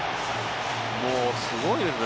もうすごいですね